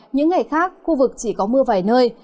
những ngày khác khu vực chỉ có mưa vài nơi